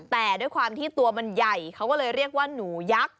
แต่ด้วยความที่ตัวมันใหญ่เขาก็เลยเรียกว่าหนูยักษ์